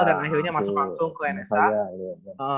dan akhirnya masuk langsung ke nsa